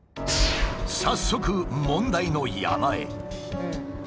早速問題の山へ。